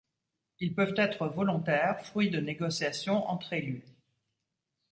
Ils peuvent être volontaires, fruits de négociation entre élus.